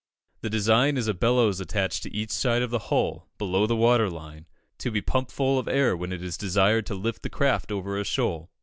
The design is a bellows attached to each side of the hull, below the water line, to be pumped full of air when it is desired to lift the craft over a shoal.